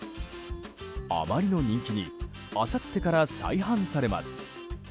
あまりの人気にあさってから再販されます。